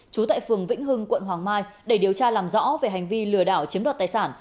trú tại phường vĩnh hưng quận hoàng mai để điều tra làm rõ về hành vi lừa đảo chiếm đoạt tài sản